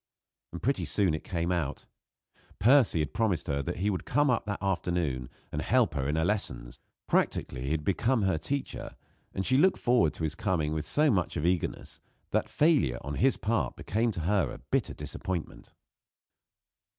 And pretty soon it came out. Percy had promised her that he would come up that afternoon and help her in her lessons. Practically he had become her teacher, and she looked forward to his coming with so much of eagerness that failure on his part became to her a bitter disappointment.